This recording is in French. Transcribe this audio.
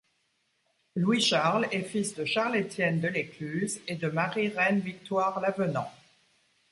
Louis Charles est fils de Charles Étienne Delescluze et de Marie Reine Victoire Lavenant.